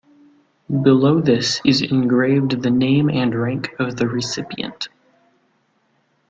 Below this is engraved the name and rank of the recipient.